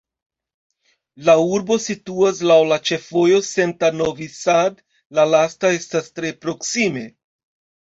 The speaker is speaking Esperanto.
La urbo situas laŭ la ĉefvojo Senta-Novi Sad, la lasta estas tre proksime.